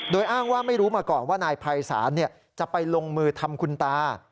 โดยอ้างว่าไม่รู้มาก่อนว่านายภัยศาลจะไปลงมือทำคุณตา